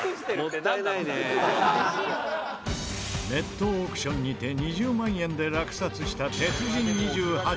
ネットオークションにて２０万円で落札した鉄人２８号。